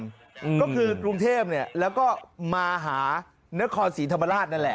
อืมก็คือกรุงเทพเนี่ยแล้วก็มาหานครศรีธรรมราชนั่นแหละ